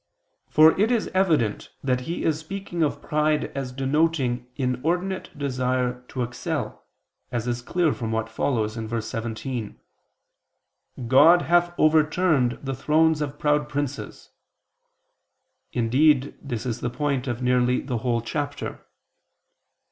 For it is evident that he is speaking of pride as denoting inordinate desire to excel, as is clear from what follows (verse 17): "God hath overturned the thrones of proud princes"; indeed this is the point of nearly the whole chapter.